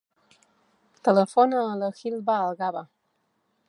Telefona a la Hiba Algaba.